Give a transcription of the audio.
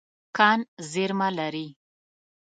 کان زیرمه لري.